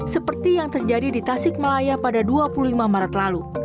seperti yang terjadi di tasik malaya pada dua puluh lima maret lalu